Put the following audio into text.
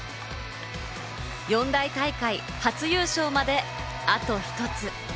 四大大会初優勝まで、あと１つ。